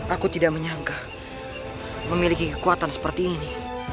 aku tidak menyangka memiliki kekuatan seperti ini